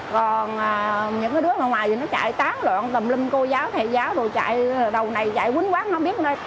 còn những cái đứa ở ngoài thì nó chạy tán loạn tầm lưng cô giáo thầy giáo đồ chạy đầu này chạy quýnh quát nó không biết đâu